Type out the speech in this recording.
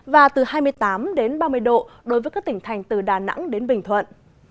và từ hai mươi tám đến ba mươi độ đối với các tỉnh thành từ đà nẵng đến bình thuận